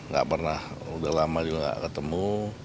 gak pernah udah lama juga nggak ketemu